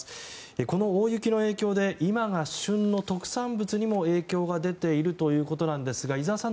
この大雪の影響で今が旬の特産物にも影響が出ているということですが井澤さん